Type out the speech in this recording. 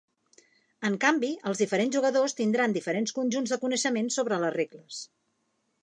En canvi, els diferents jugadors tindran diferents conjunts de coneixements sobre les regles.